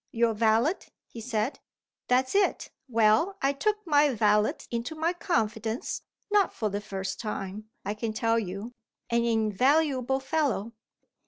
"Your valet," he said. "That's it! Well, I took my valet into my confidence not for the first time, I can tell you: an invaluable fellow.